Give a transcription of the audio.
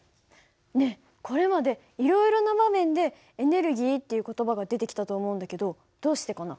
ねえこれまでいろいろな場面でエネルギーっていう言葉が出てきたと思うんだけどどうしてかな？